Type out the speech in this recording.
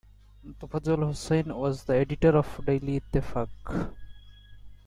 Tofazzal Hossain was the editor of The Daily Ittefaq.